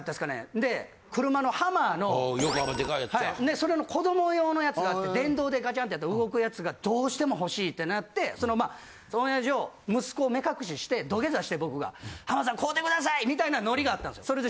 それの子供用のやつがあって電動でガチャン！ってやったら動くやつがどうしてもほしいってなってそのまあオンエア上息子を目隠しして土下座して僕が「浜田さん買うて下さい！」みたいなノリがあったんですよ。